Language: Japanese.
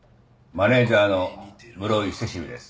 マネジャーの室井セシルです。